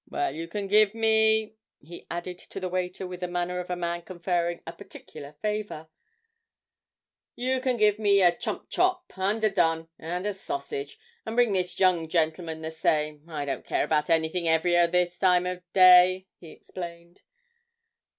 Well, you can give me,' he added to the waiter, with the manner of a man conferring a particular favour, 'you can give me a chump chop, underdone, and a sausage. And bring this young gentleman the same. I don't care about anything 'eavier at this time o' day,' he explained.